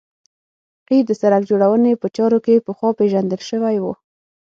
قیر د سرک جوړونې په چارو کې پخوا پیژندل شوی و